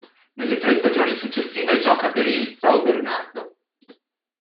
Nelle tre stagioni successive gioca per il São Bernardo.